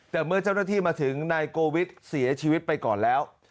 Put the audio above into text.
แต่เมื่อเจ้าหน้าที่มาถึงนายโกวิทย์เสียชีวิตไปก่อนแล้ว